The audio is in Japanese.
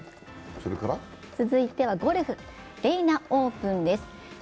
続いてはゴルフ、Ｄａｎａオープンです。